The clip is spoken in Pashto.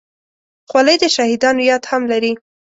خولۍ د شهیدانو یاد هم لري.